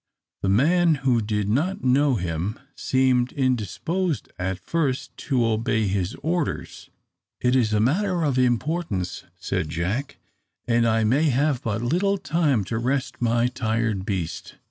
The man, who did not know him, seemed indisposed at first to obey his orders. "It is a matter of importance," said Jack; "and I may have but little time to rest my tired beast."